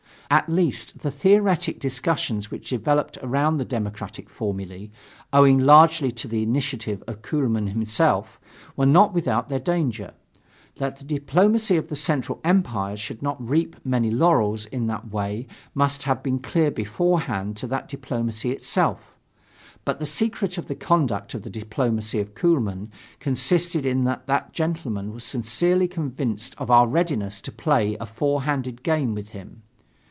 At least, the theoretic discussions which developed around the democratic formulae, owing largely to the initiative of Kuehlmann himself, were not without their danger. That the diplomacy of the Central Empires could not reap many laurels in that way must have been clear beforehand to that diplomacy itself. But the secret of the conduct of the diplomacy of Kuehlmann consisted in that that gentleman was sincerely convinced of our readiness to play a four handed game with him.